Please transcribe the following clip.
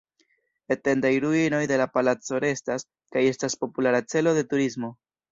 Etendaj ruinoj de la palaco restas, kaj estas populara celo de turismo.